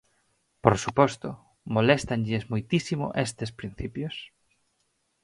Por suposto, moléstanlles moitísimo estes principios.